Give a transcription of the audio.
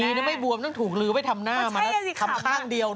ดีนะไม่บวมต้องถูกลื้อไปทำหน้ามันและคำข้างเดียวด้วย